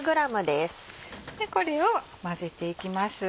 これを混ぜていきます。